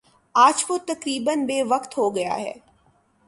آج وہ تقریبا بے وقعت ہو گیا ہے